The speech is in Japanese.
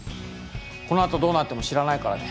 このあとどうなっても知らないからね。